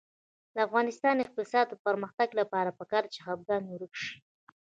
د افغانستان د اقتصادي پرمختګ لپاره پکار ده چې خپګان ورک شي.